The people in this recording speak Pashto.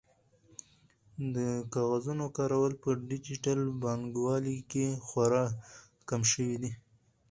د کاغذونو کارول په ډیجیټل بانکوالۍ کې خورا کم شوي دي.